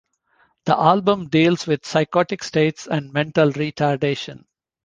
The album deals with psychotic states and mental retardation.